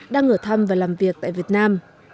đang ở thăm và làm việc tại việt nam